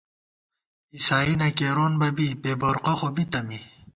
عِسائی نہ کېرون بہ بی، بےبورقہ خو بِتہ می